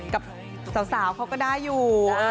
กับสาวเขาก็ได้อยู่